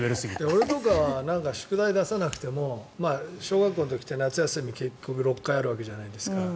俺とかは宿題を出さなくても小学校の時って夏休みは６回あるわけじゃないですか。